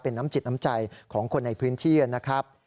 เป็นน้ำจิตน้ำใจของคนในพื้นที่นะครับ